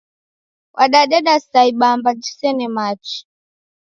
Wadadeda sa ibamba jisene machi.